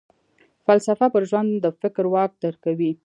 فلسفه پر ژوند د فکر واک درکوي.